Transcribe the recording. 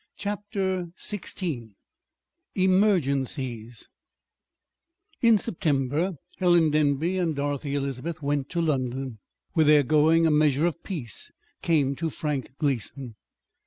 CHAPTER XVI EMERGENCIES In September Helen Denby and Dorothy Elizabeth went to London. With their going, a measure of peace came to Frank Gleason.